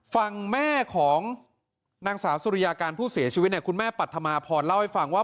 ฟังแม่ของนางสาวสุริยาการผู้เสียชีวิตเนี่ยคุณแม่ปัธมาพรเล่าให้ฟังว่า